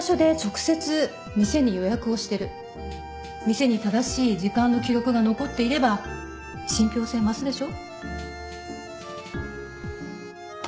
店に正しい時間の記録が残っていれば信ぴょう性増すでしょ。